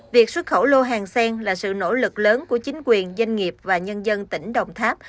việc xuất khẩu lô hàng sen là sự nỗ lực lớn của chính quyền doanh nghiệp và nhân dân tỉnh đồng tháp